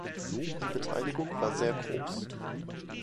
Die Beteiligung war sehr groß.